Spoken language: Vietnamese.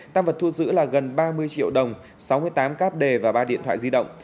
tăng vật thu giữ là gần ba mươi triệu đồng sáu mươi tám cáp đề và ba điện thoại di động